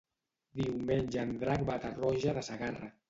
Diumenge en Drac va a Tarroja de Segarra.